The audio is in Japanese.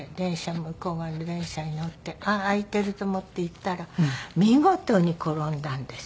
向こう側の電車に乗ってああー空いていると思って行ったら見事に転んだんです。